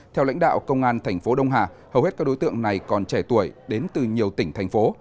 theo lãnh đạo công an thành phố đông hà hầu hết các đối tượng này còn trẻ tuổi đến từ nhiều tỉnh thành phố